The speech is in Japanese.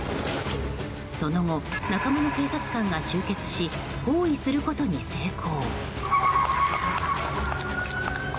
その後、仲間の警察官が集結し包囲することに成功。